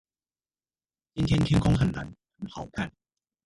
今天天空很藍，很好看